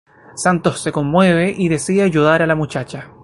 Santos se conmueve y decide ayudar a la muchacha.